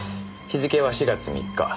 日付は４月３日。